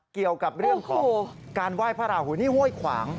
เกี่ยวกับเรื่องของการไหว้พระราหูนี่ห้วยขวาง